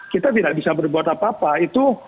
kita tidak bisa berbuat apa apa itu